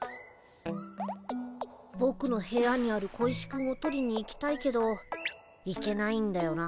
ぼくの部屋にある小石くんを取りに行きたいけど行けないんだよな。